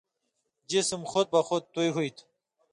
جسم خُود بخُود تُوی ہُوی تُھو۔